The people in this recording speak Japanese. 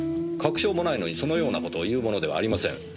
確証もないのにそのような事を言うものではありません。